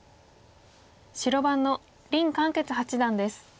白番の林漢傑八段です。